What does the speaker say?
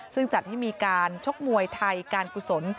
ซึ่งจัดให้มีการชกมวยไทยการกุศล